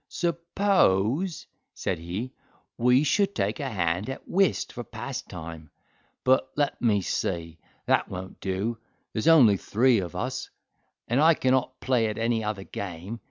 "Suppose," said he, "we should take a hand at whist for pastime. But let me see: that won't do, there's only three of us; and I cannot play at any other game.